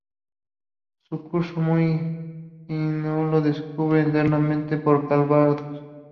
Su curso, muy sinuoso, discurre enteramente por Calvados.